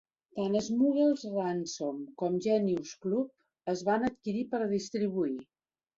Tant "Smuggler's Ransom" com "Genius Club" es van adquirir per a distribuir.